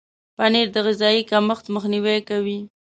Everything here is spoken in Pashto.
پنېر د غذایي کمښت مخنیوی کوي.